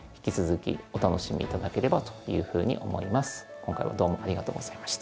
今回はどうもありがとうございました。